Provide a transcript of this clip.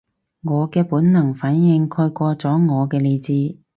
我嘅本能反應蓋過咗我嘅理智